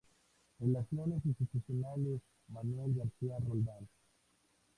Relaciones Institucionales- Manuel García Roldán.